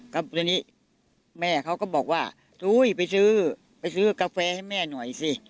ก็ทีนี้แม่เขาก็บอกว่าอุ้ยไปซื้อไปซื้อกาแฟให้แม่หน่อยสิ